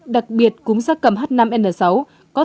đặc biệt cúm da cầm h năm n sáu có thể lây sang người và gây tử vong